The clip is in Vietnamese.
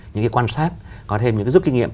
những quan sát có thêm những giúp kinh nghiệm